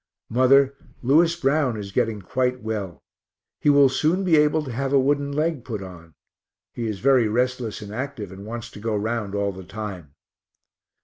Mother, Lewis Brown is getting quite well; he will soon be able to have a wooden leg put on. He is very restless and active, and wants to go round all the time.